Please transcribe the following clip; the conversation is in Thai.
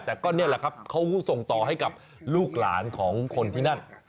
แต่ก็นี่แหละครับเขาส่งต่อให้กับลูกหลานของคนที่นั่น